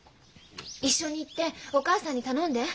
一緒に行ってお母さんに頼んで。